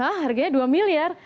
hah harganya dua miliar